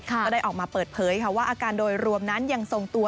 ก็ได้ออกมาเปิดเผยค่ะว่าอาการโดยรวมนั้นยังทรงตัว